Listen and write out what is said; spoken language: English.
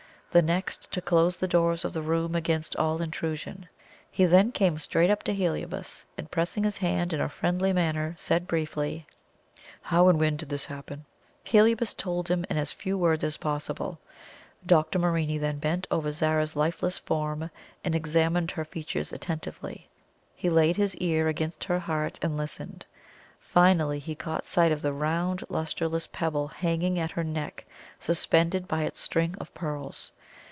The next, to close the doors of the room against all intrusion. He then came straight up to Heliobas, and pressing his hand in a friendly manner, said briefly: "How and when did this happen?" Heliobas told him in as few words as possible. Dr. Morini then bent over Zara's lifeless form, and examined her features attentively. He laid his car against her heart and listened. Finally, he caught sight of the round, lustreless pebble hanging at her neck suspended by its strings of pearls.